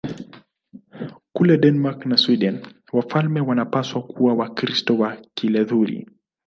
Kule Denmark na Sweden wafalme wanapaswa kuwa Wakristo wa Kilutheri.